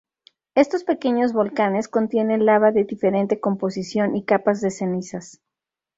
Estos pequeños volcanes contienen lava de diferente composición y capas de cenizas